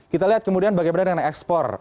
kita lihat kemudian bagaimana dengan ekspor